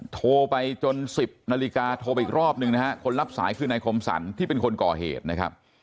โทรไปจน๑๐นาฬิกาโทรไปอีกรอบหนึ่งนะฮะคนรับสายคือนายคมสรรที่เป็นคนก่อเหตุนะครับ